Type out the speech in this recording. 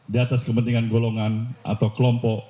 di atas kepentingan golongan atau kelompok